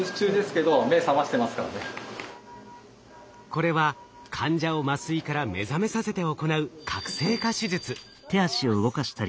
これは患者を麻酔から目覚めさせて行ううわすごいな。